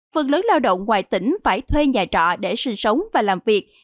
phần lớn lao động ngoài tỉnh phải thuê nhà trọ để sinh sống và làm việc